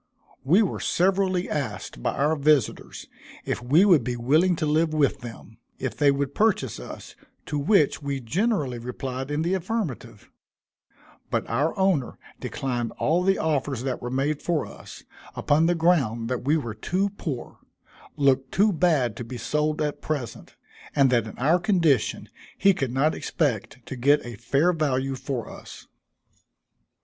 We were severally asked by our visitors, if we would be willing to live with them, if they would purchase us, to which we generally replied in the affirmative; but our owner declined all the offers that were made for us, upon the ground that we were too poor looked too bad to be sold at present and that in our condition he could not expect to get a fair value for us.